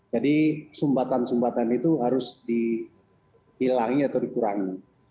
sumbatan sumbatan itu harus dihilangi atau dikurangi